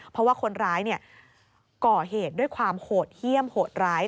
เพราะว่าคนร้ายก่อเหตุด้วยความโหดเยี่ยมโหดร้าย